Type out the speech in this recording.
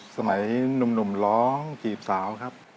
สมัยหนุ่มร้องจีบสาวครับ